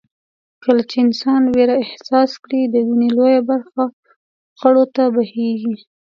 کله چې انسان وېره احساس کړي د وينې لويه برخه غړو ته بهېږي.